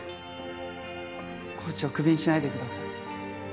コーチをクビにしないでください。